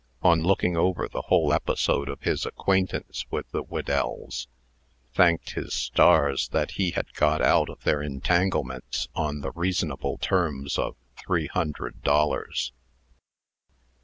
on looking over the whole episode of his acquaintance with the Whedells thanked his stars that he had got out of their entanglements on the reasonable terms of three hundred dollars.